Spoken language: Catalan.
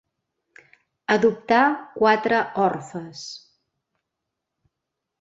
Adoptà quatre orfes.